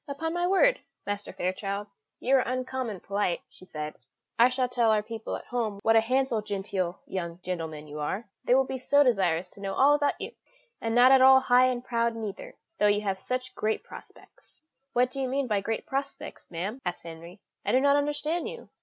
"Upon my word, Master Fairchild, you are uncommon polite," she said; "I shall tell our people at home what a handsome genteel young gentleman you are. They will be so desirous to know all about you and not at all high and proud neither, though you have such great prospects." "What do you mean by great prospects, ma'am?" asked Henry; "I do not understand you."